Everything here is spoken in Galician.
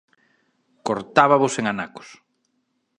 Cortábavos en anacos.